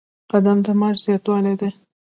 قدم د معاش زیاتوالی دی